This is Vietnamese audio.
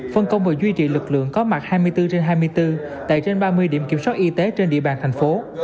phân công và duy trì lực lượng có mặt hai mươi bốn trên hai mươi bốn tại trên ba mươi điểm kiểm soát y tế trên địa bàn thành phố